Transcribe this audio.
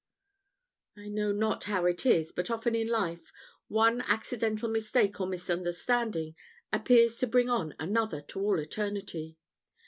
I know not how it is, but often in life, one accidental mistake or misunderstanding appears to bring on another to all eternity.